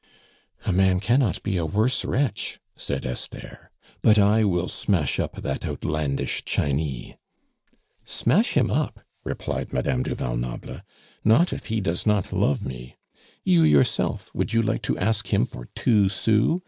"A man cannot be a worse wretch," said Esther. "But I will smash up that outlandish Chinee." "Smash him up?" replied Madame du Val Noble. "Not if he does not love me. You, yourself, would you like to ask him for two sous?